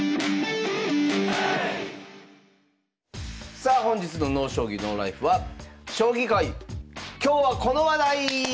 さあ本日の「ＮＯ将棋ＮＯＬＩＦＥ」は「将棋界今日はこの話題」！